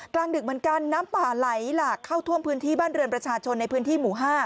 กลางดึกเหมือนกันน้ำป่าไหลหลากเข้าท่วมพื้นที่บ้านเรือนประชาชนในพื้นที่หมู่๕